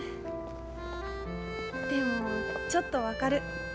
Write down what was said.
でもちょっと分かる。